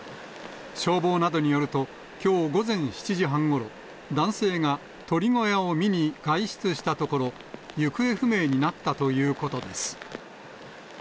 消防などによると、きょう午前７時半ごろ、男性が鶏小屋を見に外出したところ、行方不明になったということです。